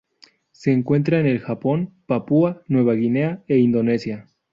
Se encuentra en el Japón, Papúa Nueva Guinea e Indonesia